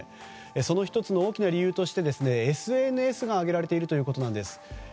その１つの大きな理由としてＳＮＳが挙げられているということです。